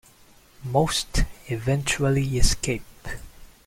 Most eventually escape.